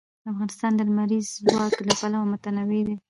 افغانستان د لمریز ځواک له پلوه متنوع دی.